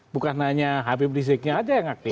bukan hanya habib riziknya aja yang aktif